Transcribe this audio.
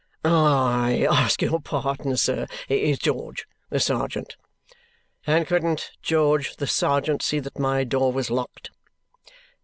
"I ask your pardon, sir. It's George. The sergeant." "And couldn't George, the sergeant, see that my door was locked?"